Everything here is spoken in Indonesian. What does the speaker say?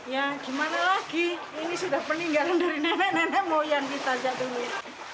ya gimana lagi ini sudah peninggalan dari nenek nenek moyang ditajak dulu